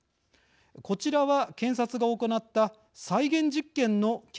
こちらは検察が行った再現実験の結果の画像です。